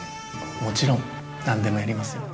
もちろん何でもやりますよ